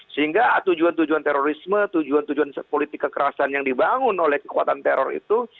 sehingga tujuan tujuan terorisme tujuan tujuan politik kekerasan yang dibangun oleh kekuatan teror itu